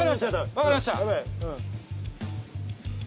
わかりました。